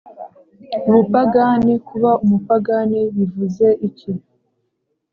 ubupagani/ kuba umupagani bivuze iki?